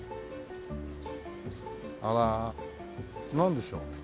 あらなんでしょう？